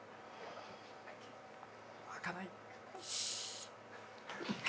開かない。